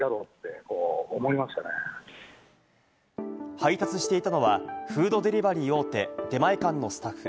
配達していたのはフードデリバリー大手・出前館のスタッフ。